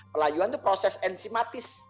pelayuan itu proses enzimatis